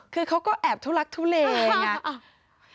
คือเขาก็แอบทัวรักทุเลวัยแบบนี้